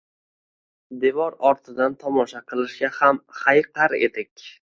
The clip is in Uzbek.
Devor ortidan tomosha qilishga ham hayiqar edik.